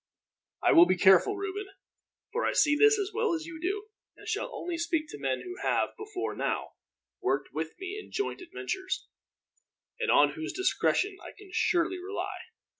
"I will be careful, Reuben; for I see this as well as you do, and shall only speak to men who have, before now, worked with me in joint adventures, and on whose discretion I can surely rely.